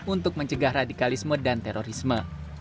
untuk mencegah radikalisme dan terorisme